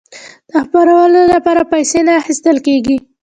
د خپرولو لپاره پیسې نه اخیستل کیږي.